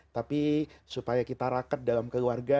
tapi supaya kita raket dalam keluarga